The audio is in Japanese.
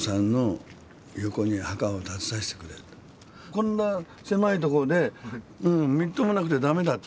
「こんな狭い所でみっともなくてダメだ」って。